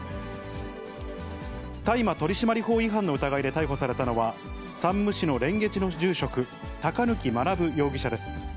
大麻取締法違反の疑いで逮捕されたのは、山武市の蓮華寺の住職、高貫学容疑者です。